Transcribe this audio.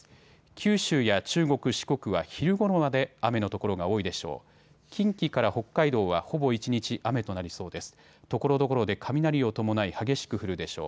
九州や中国、四国は昼ごろまで雨の所が多いでしょう。